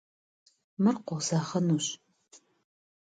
Мыр къозэгъынущ.